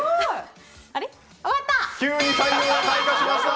急に才能が開花しました。